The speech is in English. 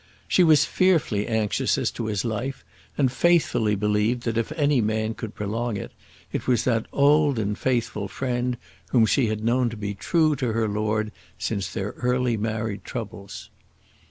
She was fearfully anxious as to his life, and faithfully believed, that if any man could prolong it, it was that old and faithful friend whom she had known to be true to her lord since their early married troubles.